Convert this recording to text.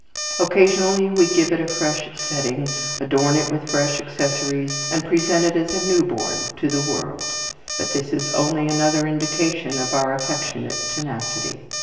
Occasionally we give it a fresh setting, adorn it with fresh accessories, and present it as new born to the world; but this is only another indication of our affectionate tenacity.